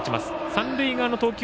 三塁側の投球